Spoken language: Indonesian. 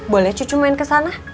boleh cucu main kesana